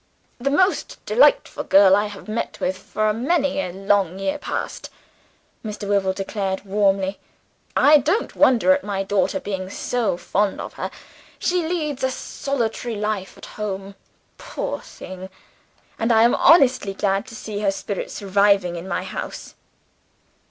"The most delightful girl I have met with for many a long year past!" Mr. Wyvil declared warmly. "I don't wonder at my daughter being so fond of her. She leads a solitary life at home, poor thing; and I am honestly glad to see her spirits reviving in my house."